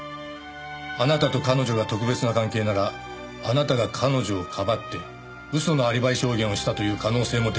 あなたと彼女が特別な関係ならあなたが彼女をかばって嘘のアリバイ証言をしたという可能性も出てくるんですよ。